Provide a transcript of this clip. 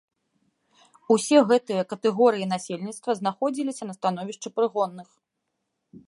Усе гэтыя катэгорыі насельніцтва знаходзіліся на становішчы прыгонных.